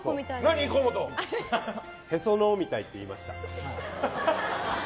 へその緒みたいって言いました。